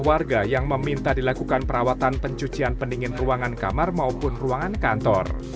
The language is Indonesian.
warga yang meminta dilakukan perawatan pencucian pendingin ruangan kamar maupun ruangan kantor